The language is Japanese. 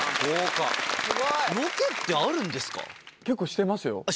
結構してますよ。